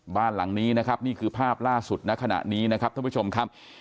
บ้านหลังนี้นะครับนี่คือภาพล่าสุดณขณะนี้นะครับท่านผู้ชมครับ